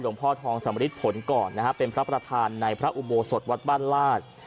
พ่อทองสำริทผลก่อนนะฮะเป็นพระประธานในพระอุโบสถวัดบ้านลาด